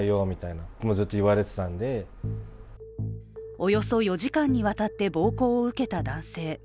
およそ４時間にわたって暴行を受けた男性。